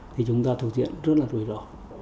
thì chúng ta thực hiện rất là rủi ro